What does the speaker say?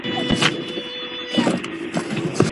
پټې پوهې عامه نه دي.